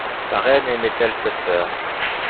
La reine aimait-elle sa sœur?